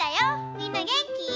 みんなげんき？